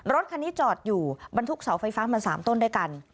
รถคันนี้จอดอยู่บรรทุกเสาไฟฟ้ามา๓ต้นด้วยกัน